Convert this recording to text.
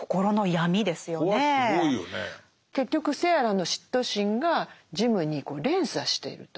結局セアラの嫉妬心がジムに連鎖していると。